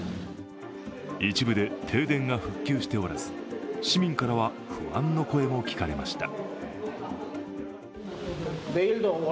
一部で停電が復旧しておらず市民からは不安の声も聞かれました。